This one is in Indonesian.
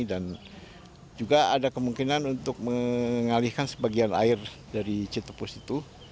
dan juga ada kemungkinan untuk mengalihkan sebagian air dari cetepus itu